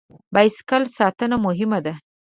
بایسکل ساتنه مهمه ده.